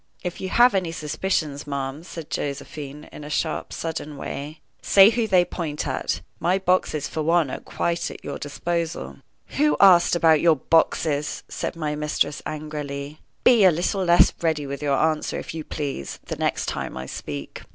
"If you have any suspicions, ma'am," said Josephine, in a sharp, sudden way, "say who they point at. My boxes, for one, are quite at your disposal." "Who asked about your boxes?" said my mistress, angrily. "Be a little less ready with your answer, if you please, the next time I speak."